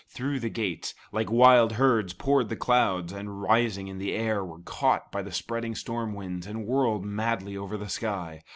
Through the gates, like wild herds, poured the clouds, and rising in the air, were caught by the spreading storm winds and whirled madly over the sky.